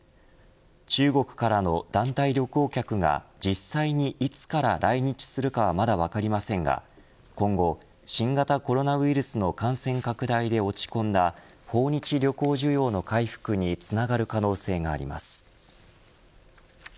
中国からの団体旅行客が実際にいつから来日するかはまだ分かりませんが今後、新型コロナウイルスの感染拡大で落ち込んだ訪日旅行需要の回復につながる可能性があります。